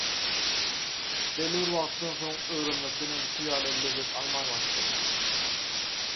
Belli bir wagtdan soň öwrenmekden öňküsi ýaly lezzet alman başladym.